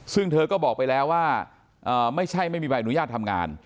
ซึ่งเธอก็บอกไปแล้วว่าไม่ใช่ไม่มีใบอนุญาตทำงาน